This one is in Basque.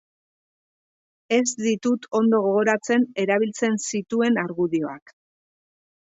Ez ditut ondo gogoratzen erabiltzen zituen argudioak.